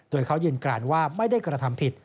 โดยเขายืนกรานว่าไม่ได้กระทำผิด